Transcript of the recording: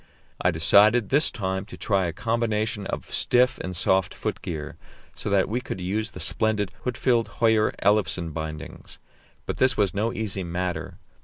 I decided this time to try a combination of stiff and soft foot gear, so that we could use the splendid Huitfeldt Höyer Ellefsen bindings; but this was no easy matter.